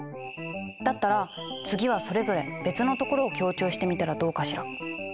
だったら次はそれぞれ別のところを強調してみたらどうかしら。